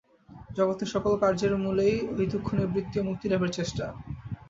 জগতের সকল কার্যের মূলেই ঐ দুঃখনিবৃত্তি ও মুক্তিলাভের চেষ্টা।